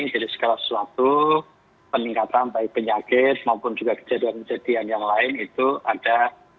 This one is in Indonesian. jadi segala sesuatu peningkatan baik penyakit maupun juga kejadian kejadian yang lain itu ada